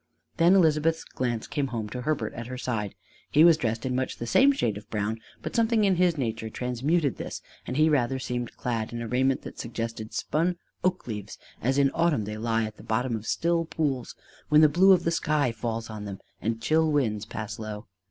Then Elizabeth's glance came home to Herbert at her side. He was dressed in much the same shade of brown. But something in his nature transmuted this, and he rather seemed clad in a raiment that suggested spun oak leaves as in autumn they lie at the bottom of still pools when the blue of the sky falls on them and chill winds pass low.